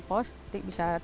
bumk kampung sampah blank room